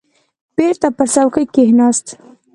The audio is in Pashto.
بېرته پر چوکۍ کښېناست.